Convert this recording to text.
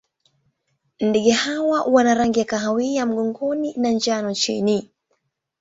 Ndege hawa wana rangi ya kahawa mgongoni na njano chini.